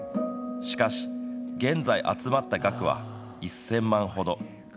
しかし、現在集まった額は１０００万ほど。